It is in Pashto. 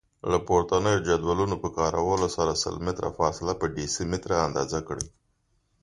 له پورتنیو جدولونو په کارولو سره سل متره فاصله په ډیسي متره اندازه کړئ.